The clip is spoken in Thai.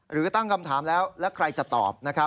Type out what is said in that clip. ตั้งคำถามแล้วแล้วใครจะตอบ